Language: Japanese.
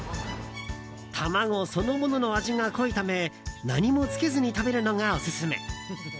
卵そのものの味が濃いため何もつけずに食べるのがオススメ。